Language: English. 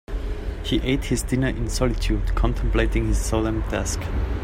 He ate his dinner in solitude, contemplating his solemn task.